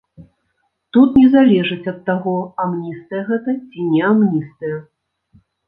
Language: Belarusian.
Тут не залежыць ад таго, амністыя гэта ці не амністыя.